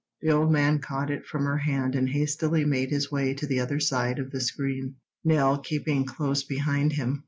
The old man caught it from her hand and hastily made his way to the other side of the screen, Nell keeping close behind him.